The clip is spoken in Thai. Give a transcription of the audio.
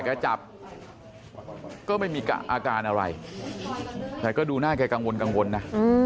แกจับก็ไม่มีอาการอะไรแต่ก็ดูหน้าแกกังวลกังวลนะ